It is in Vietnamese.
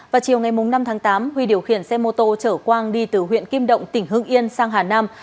vào chiều ngày năm tháng tám huy điều khiển xe mô tô chở quang đi từ huyện kim động tỉnh hưng yên sang hà nam